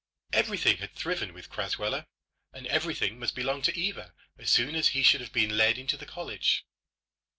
Everything had thriven with Crasweller, and everything must belong to Eva as soon as he should have been led into the college.